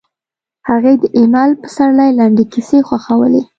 هغې د ایمل پسرلي لنډې کیسې خوښولې